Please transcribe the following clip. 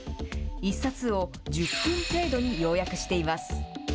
１冊を１０分程度に要約しています。